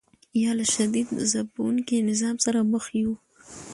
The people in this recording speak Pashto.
یا له شدید ځپونکي نظام سره مخ یو.